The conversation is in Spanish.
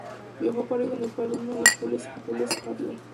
Viajó a París donde fue alumno de Jules Adler.